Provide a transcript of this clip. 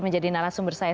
menjadi narasumber saya